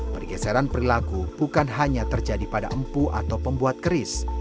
pergeseran perilaku bukan hanya terjadi pada empu atau pembuat keris